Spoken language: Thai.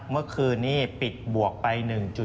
เมื่อคืนนี้ปิดบวกไป๑๔